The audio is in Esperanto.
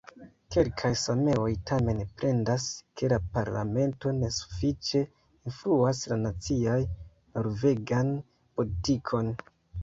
Kelkaj sameoj tamen plendas, ke la parlamento ne sufiĉe influas la nacian norvegan politikon.